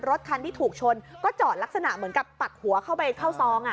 รถคันที่ถูกชนก็จอดลักษณะเหมือนกับปักหัวเข้าไปเข้าซอง